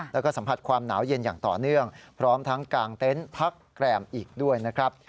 แล้วก็สัมผัสความหนาวเย็นอย่างต่อเนื่องพร้อมทั้งกางเต็นต์พักแกรมอีกด้วยนะครับ